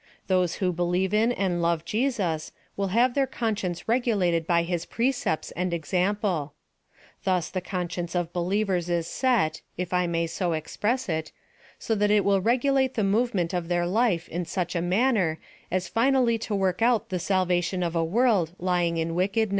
Those who believe in and love Jesus, will have their conscience regulated by his precepts and example. Thus, the conscience of believers is set, (if I may so express it,) so that it will regulate the movement of their life in such a manner, as finally to work out the salvation of a world lying in wick ednosF.